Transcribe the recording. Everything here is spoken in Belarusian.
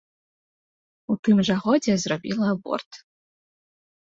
У тым жа годзе зрабіла аборт.